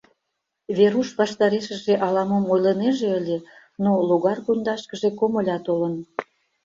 Веруш ваштарешыже ала-мом ойлынеже ыле, но логар пундашкыже комыля толын.